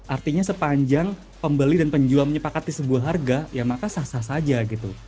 artinya sepanjang pembeli dan penjual menyepakati sebuah harga ya maka sah sah saja gitu